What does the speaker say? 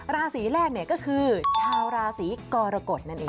ราศีแรกก็คือชาวราศีกรกฎนั่นเอง